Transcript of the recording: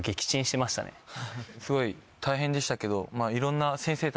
すごい大変でしたけど。